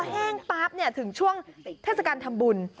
แห้งปั๊บถึงช่วงเทศกาลทำบุญ